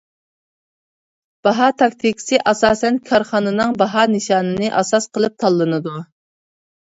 باھا تاكتىكىسى ئاساسەن كارخانىنىڭ باھا نىشانىنى ئاساس قىلىپ تاللىنىدۇ.